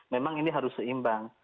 memang ini harus seimbang